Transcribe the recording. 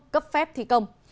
cấp phép thi công